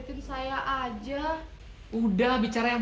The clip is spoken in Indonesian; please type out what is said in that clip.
oh saya juga mau datang